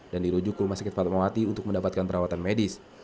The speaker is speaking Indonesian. dan dirujuk ke rumah sakit fatmawati untuk mendapatkan perawatan medis